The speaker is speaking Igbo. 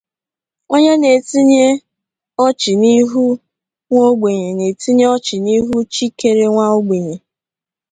Onye na-etinye ọchị n'ihu nwaogbenye na-etinye ọchị n'ihu chi kere nwaogbenye.